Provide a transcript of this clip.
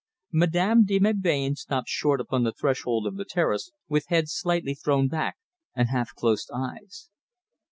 Madame de Melbain stopped short upon the threshold of the terrace, with head slightly thrown back, and half closed eyes.